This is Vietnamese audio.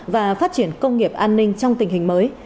và phát triển công nghiệp an ninh trong tình hình mới